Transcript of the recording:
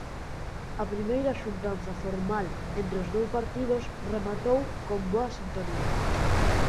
A primeira xuntanza formal entre os dous partidos rematou con boa sintonía.